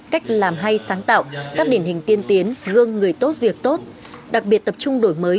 cách làm hay sáng tạo các điển hình tiên tiến gương người tốt việc tốt đặc biệt tập trung đổi mới